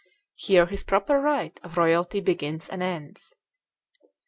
Here his proper right of royalty begins and ends.